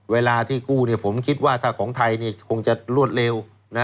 เวลาที่กู้ผมคิดว่าถ้าของไทยคงจะรวดเร็ว